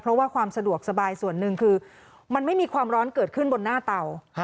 เพราะว่าความสะดวกสบายส่วนหนึ่งคือมันไม่มีความร้อนเกิดขึ้นบนหน้าเตา